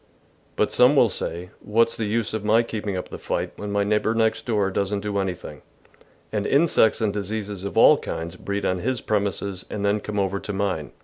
But some will say, " What's the use of my keep ing up the fight when my neighbour next door doesn't do anything, and insects and diseases of all kinds breed on his premises and then come over to mine?